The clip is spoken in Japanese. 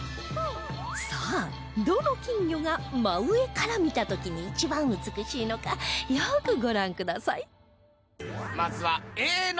さあどの金魚が真上から見た時に一番美しいのかよくご覧ください